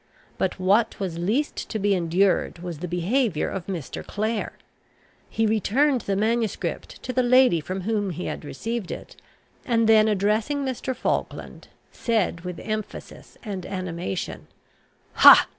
But what was least to be endured was the behaviour of Mr. Clare. He returned the manuscript to the lady from whom he had received it, and then, addressing Mr. Falkland, said with emphasis and animation, "Ha!